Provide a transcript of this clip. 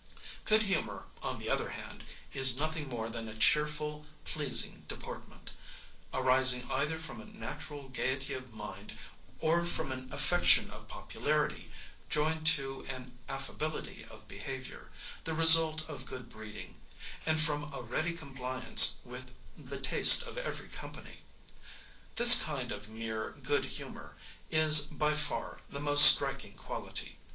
Good humor, on the other hand, is nothing more than a cheerful, pleasing deportment, arising either from a natural gaiety of mind, or from an affection of popularity, joined to an affability of behavior, the result of good breeding, and from a ready compliance with the taste of every company. This kind of mere good humor is, by far, the most striking quality.